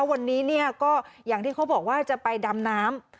วันนี้ก็อย่างที่เขาบอกว่าจะไปดำน้ำ